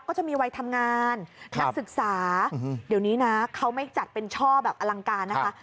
ก็จะมีวัยทำงานนักศึกษาเดี๋ยวนี้นะเขาไม่จัดเป็นช่อแบบอลังการนะคะ